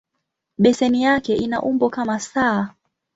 Beseni yake ina umbo kama "S".